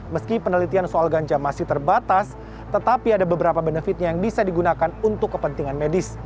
meski penelitian soal ganja masih terbatas tetapi ada beberapa benefitnya yang bisa digunakan untuk kepentingan medis